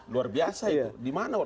luar biasa itu